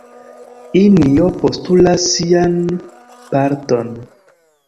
Injo postulas sian parton.